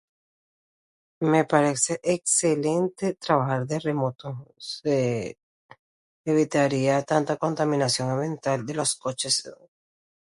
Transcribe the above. Me parece excelente trabajar de remoto, se... evitaría tanta contaminación ambiental de los coches